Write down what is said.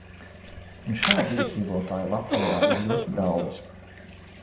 Un šādu iedzīvotāju Latvijā ir ļoti daudz.